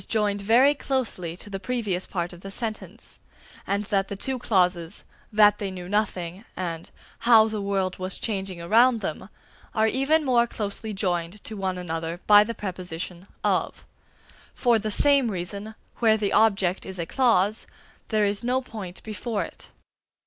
Note that by the word "so" the clause "that they knew nothing" is joined very closely to the previous part of the sentence; and that the two clauses "that they knew nothing" and "how the world was changing around them," are even more closely joined to one another by the preposition "of." For the same reason, where the object is a clause, there is no point before it.